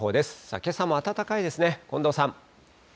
けさも暖かいですね、近藤さん。